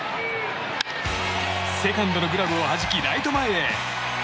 セカンドのグラブをはじきライト前へ。